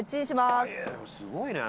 すごいね。